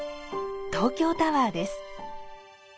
東京タワーです。